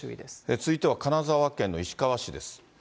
続いては石川県の金沢市です。